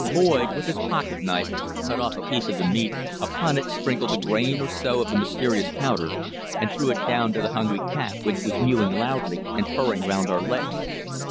Boyd, with his pocket knife, cut off a piece of the meat, upon it sprinkled a grain or so of the mysterious powder, and threw it down to the hungry cat, which was mewing loudly, and purring round our legs.